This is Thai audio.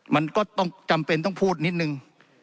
มันก็ต้องจำเป็นต้องพูดนิดนึง